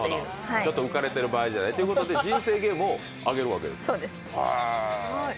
ちょっと浮かれている場合ではないということで人生ゲームをあげるんですね。